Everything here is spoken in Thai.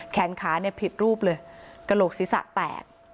แขนขาเนี่ยผิดรูปเลยกระโหลกศีรษะแตก